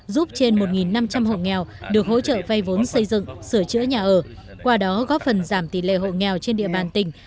giúp trên một năm trăm linh hộ nghèo được hỗ trợ vay vốn xây dựng sửa chữa nhà ở qua đó góp phần giảm tỷ lệ hộ nghèo trên địa bàn tỉnh